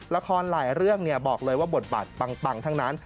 ละครหลายเรื่องบอกเลยว่าบทบาทปังทั้งนั้น